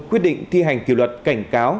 quyết định thi hành kiểu luật cảnh cáo